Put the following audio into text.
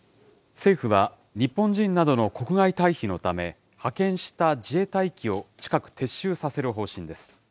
政府は、日本人などの国外退避のため、派遣した自衛隊機を近く撤収させる方針です。